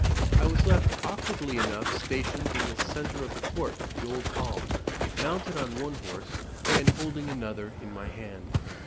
I was left awkwardly enough stationed in the centre of the court of the old hall, mounted on one horse, and holding another in my hand.